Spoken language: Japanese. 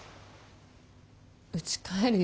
うち帰るよ。